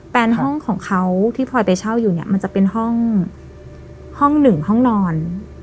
แฟนห้องของเขาที่พลอยไปเช่าอยู่เนี่ยมันจะเป็นห้องห้องหนึ่งห้องนอน